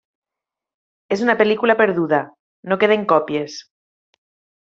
És una pel·lícula perduda, no queden còpies.